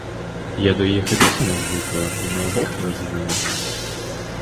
Я до їх і досі не звикла й не оговталась з ними.